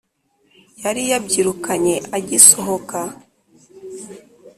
yari yabyirukanye agisohoka,